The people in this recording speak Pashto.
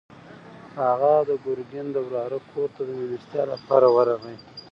هغه د ګرګین د وراره کور ته د مېلمستیا لپاره ورغی.